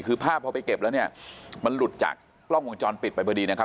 คือภาพพอไปเก็บแล้วเนี่ยมันหลุดจากกล้องวงจรปิดไปพอดีนะครับ